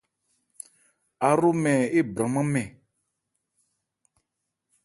Áhromɛn ébranman mɛn.